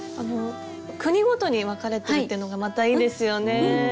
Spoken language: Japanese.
国ごとに分かれてるっていうのがまたいいですよね。